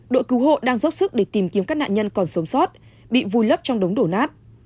đội cứu hộ đang dốc sức để tìm kiếm các nạn nhân còn sống sót bị vùi lấp trong đống đổ nát